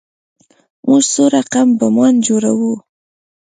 موږ څو رقم بمان جوړوو.